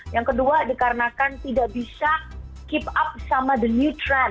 yang kedua dikarenakan tidak bisa keep up sama the new trend